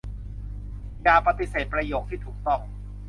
อย่าปฏิเสธประโยคที่ถูกต้อง